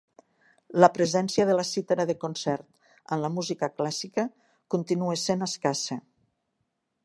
La presència de la cítara de concert en la música clàssica continua sent escassa.